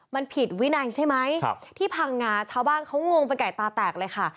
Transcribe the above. มันผิดวินัยใช่ไหมที่พังงาชาวบ้านเขางงเป็นไก่ตาแตกเลยค่ะ